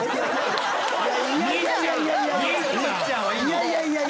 いやいやいやいや！